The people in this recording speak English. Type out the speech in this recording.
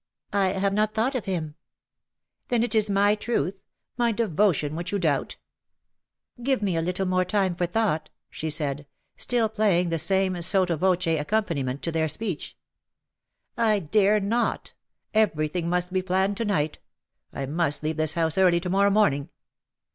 ^^" I have not thought of him/^ " Then it is my truth — my devotion which you doubt ?'^" Give me a little more time for thought/^ she said, still playing the same sotto voce accompani ment to their speech. '•'I dare not; everything must be planned to night. I must leave this house early to morrow morning.